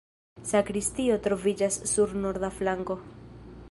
Sakristio troviĝas sur norda flanko.